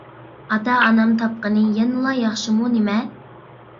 ئاتا ئانام تاپقىنى يەنىلا ياخشىمۇ نېمە؟ !